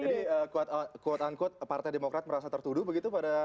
jadi quote unquote partai demokrat merasa tertuduh begitu pada